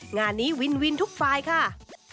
งานนี้วินวินทุกฝ่ายค่ะ